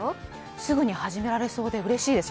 すぐに始められそうでうれしいです。